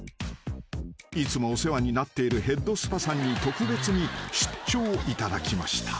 ［いつもお世話になっているヘッドスパさんに特別に出張いただきました］